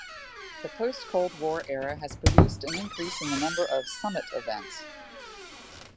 The post-Cold War era has produced an increase in the number of "summit" events.